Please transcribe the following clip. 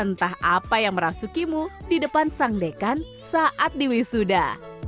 dengan gaya khas entah apa yang merasukimu di depan sang dekan saat diwisuda